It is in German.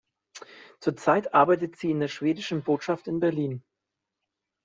Zurzeit arbeitet sie in der Schwedischen Botschaft in Berlin.